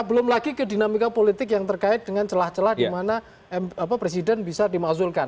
belum lagi ke dinamika politik yang terkait dengan celah celah di mana presiden bisa dimakzulkan